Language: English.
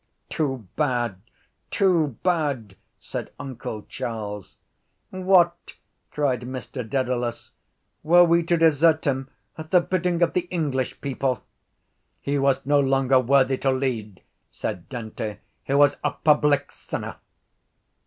—Too bad! Too bad! said uncle Charles. —What? cried Mr Dedalus. Were we to desert him at the bidding of the English people? —He was no longer worthy to lead, said Dante. He was a public sinner.